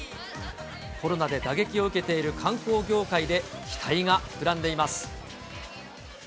コロナで打撃を受けている観光業界で、期待が膨らんでいます。